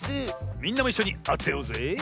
みんなもいっしょにあてようぜえ。